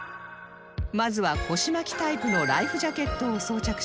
まずは腰巻きタイプのライフジャケットを装着します